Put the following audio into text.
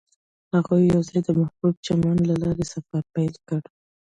هغوی یوځای د محبوب چمن له لارې سفر پیل کړ.